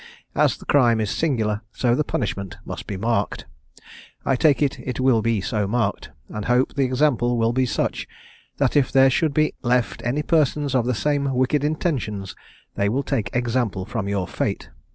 As the crime is singular, so the punishment must be marked: I take it it will be so marked, and hope the example will be such, that, if there should be left any persons of the same wicked intentions, they will take example from your fate.